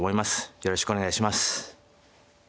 よろしくお願いします。